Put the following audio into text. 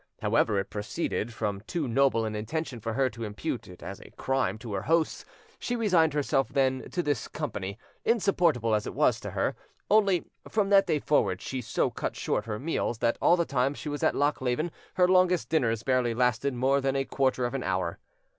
However, it proceeded from too noble an intention for her to impute it as a crime to her hosts: she resigned herself, then, to this company, insupportable as it was to her; only, from that day forward, she so cut short her meals that all the time she was at Lochleven her longest dinners barely lasted more than a quarter of an hour.